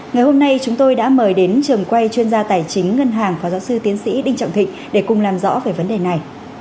ngày hôm nay chúng tôi đã mời đến trường quay chuyên gia tài chính ngân hàng phó giáo sư tiến sĩ đinh trọng thịnh để cùng làm rõ về vấn đề này